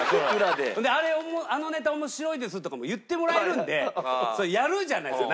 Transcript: であのネタ面白いですとかも言ってもらえるんでやるじゃないですか。